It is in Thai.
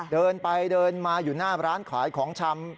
เดินไปเดินมาอยู่หน้าร้านขายของชำ